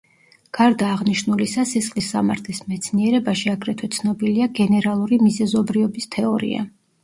გარდა აღნიშნულისა სისხლის სამართლის მეცნიერებაში აგრეთვე ცნობილია გენერალური მიზეზობრიობის თეორია.